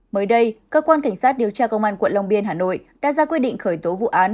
mới đây cơ quan cảnh sát điều tra công an quận long biên hà nội đã ra quyết định khởi tố vụ án